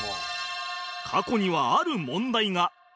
過去にはある問題が